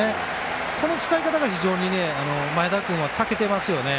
この使い方が非常に前田君は、たけていますよね。